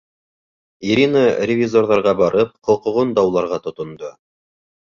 Ирина ревизорҙарға барып, хоҡуғын дауларға тотондо.